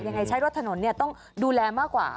ยังไงใช้รถถนนเนี่ยต้องดูแลมากกว่า